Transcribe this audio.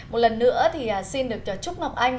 một lần nữa thì xin được chúc ngọc anh